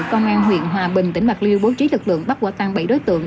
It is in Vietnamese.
công an huyện hòa bình tỉnh bạc liêu bố trí lực lượng bắt quả tăng bảy đối tượng